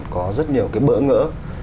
có rất nhiều cái bỡ ngỡ